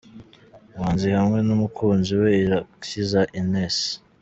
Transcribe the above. Manzi hamwe n'umukunzi we Irakiza Eunice.